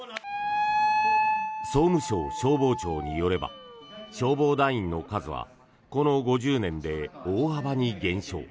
総務省消防庁によれば消防団員の数はこの５０年で大幅に減少。